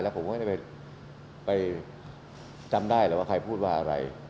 แล้วผมก็ไม่ได้ไปจำได้หรอกว่าใครพูดว่าอะไร